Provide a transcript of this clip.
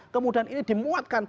kemudian ini dimuatkan